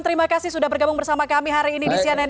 terima kasih sudah bergabung bersama kami hari ini di cnn indonesia